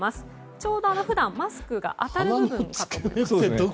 ちょうど普段マスクが当たる部分ですね。